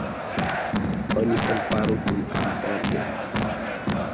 Oni komparu kun agordo.